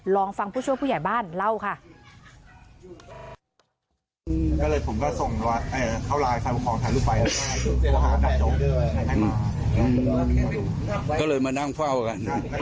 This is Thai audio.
ลองฟังผู้ช่วยผู้ใหญ่บ้านเล่าค่ะ